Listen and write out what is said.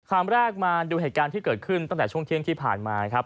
คำแรกมาดูเหตุการณ์ที่เกิดขึ้นตั้งแต่ช่วงเที่ยงที่ผ่านมาครับ